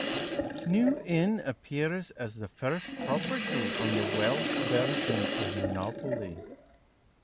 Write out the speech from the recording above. New Inn appears as the first property on the Welsh version of Monopoly.